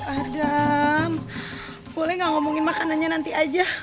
adam boleh gak ngomongin makanannya nanti aja